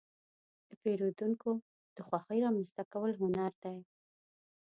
د پیرودونکو د خوښې رامنځته کول هنر دی.